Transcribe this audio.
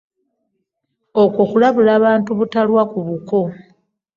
Okwo kulabula bantu butalwa ku buko .